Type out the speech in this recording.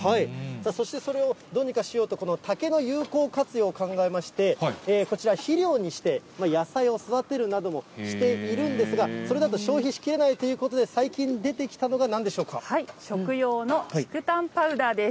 そしてそれをどうにかしようと、この竹の有効活用を考えまして、こちら肥料にして、野菜を育てるなどもしているんですが、それだと消費しきれないということで、食用の竹炭パウダーです。